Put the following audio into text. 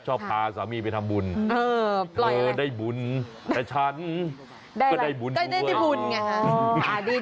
ชอบพาสามีไปทำบุญเธอได้บุญแต่ฉันก็ได้บุญหัว